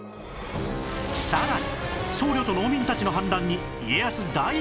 さらに僧侶と農民たちの反乱に家康大ピンチ！